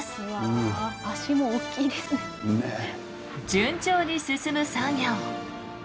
順調に進む作業。